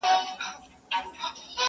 او د نیکه نکلونه نه ختمېدل.!